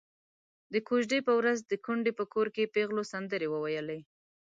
د کوژدې په ورځ د کونډې په کور کې پېغلو سندرې وويلې.